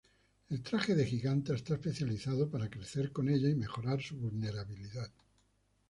El traje de Giganta está especializado para crecer con ella y mejorar su vulnerabilidad.